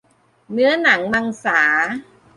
เนื้อหนังมังสา